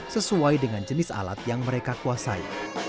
sesuai dengan jenis alat yang mereka kuasai